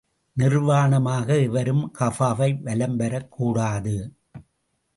நிர்வாணமாக எவரும் கஃபாவை வலம் வரக் கூடாது.